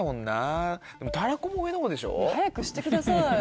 早くしてください。